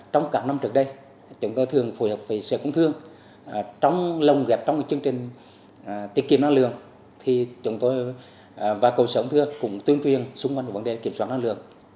trong các năm trước đây chúng tôi thường phù hợp với sở công thương trong lòng gặp trong chương trình tiết kiệm năng lượng và công sở công thương cũng tuyên truyền xung quanh vấn đề kiểm soát năng lượng